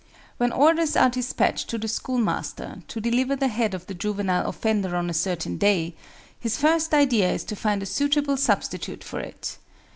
When orders are dispatched to the schoolmaster to deliver the head of the juvenile offender on a certain day, his first idea is to find a suitable substitute for it.